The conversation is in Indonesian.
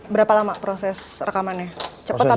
berapa lama proses rekamannya cepet atau lama